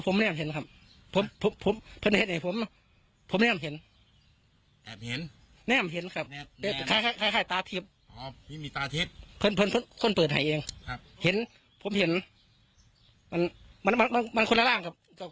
มันคุณร่างกับ